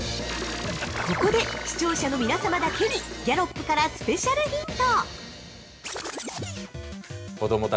◆ここで、視聴者の皆様だけにギャロップからスペシャルヒント。